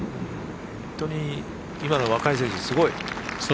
本当に今の若い選手、すごい。